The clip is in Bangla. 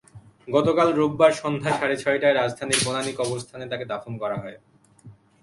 গতকাল রোববার সন্ধ্যা সাড়ে ছয়টায় রাজধানীর বনানী কবরস্থানে তাঁকে দাফন করা হয়।